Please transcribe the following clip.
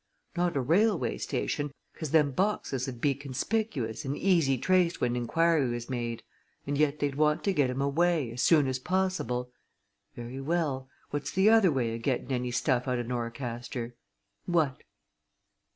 Not a railway station, 'cause them boxes 'ud be conspicuous and easy traced when inquiry was made. And yet they'd want to get 'em away as soon as possible. Very well what's the other way o' getting any stuff out o' Norcaster? What?